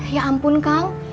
ya ampun kang